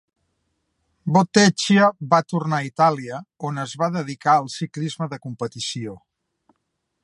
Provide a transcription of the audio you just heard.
Bottecchia va tornar a Itàlia, on es va dedicar al ciclisme de competició.